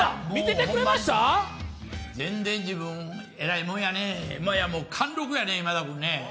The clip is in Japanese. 全然自分、えらいもんだね、もはやもう、貫禄やね、今田君。